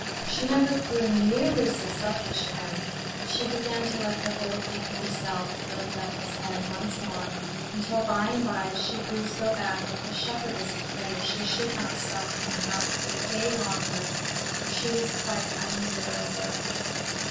She never grew nearly so selfish again, but she began to let her angry old self lift up its head once more, until by and by she grew so bad that the shepherdess declared she should not stop in the house a day longer, for she was quite unendurable.